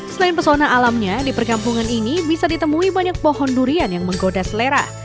selain pesona alamnya di perkampungan ini bisa ditemui banyak pohon durian yang menggoda selera